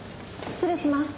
失礼します。